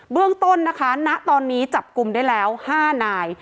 เรื่องต้นนะคะณตอนนี้จับกลุ่มได้แล้ว๕นาย